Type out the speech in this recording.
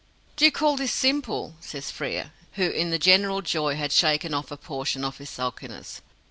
"Do you call this simple?" says Frere, who in the general joy had shaken off a portion of his sulkiness.